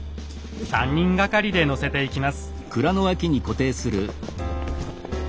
３人がかりで載せていきます。